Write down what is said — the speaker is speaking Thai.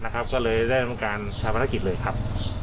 ก็เลยได้เป็นการทำประกิจเลยครับ